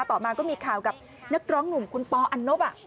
ต่อมาก็มีข่าวกับนักร้องหนุ่มคุณปออันนบ